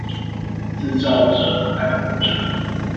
自造者還活著